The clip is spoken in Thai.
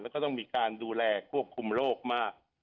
แล้วก็ต้องมีการดูแลควบคุมโรคมาก